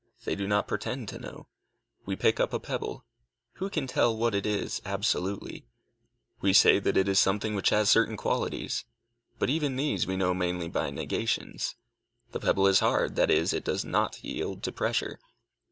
They do not pretend to know. We pick up a pebble. Who can tell what it is, absolutely? We say that it is something which has certain qualities. But even these we know mainly by negations. The pebble is hard, that is, it does not yield to pressure.